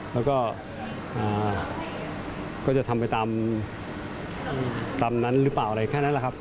แล้วก็ก็จะทำไปตามนั้นหรือเปล่าอะไรแค่นั้นแหละครับ